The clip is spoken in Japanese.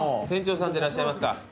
店長さんでいらっしゃいますか？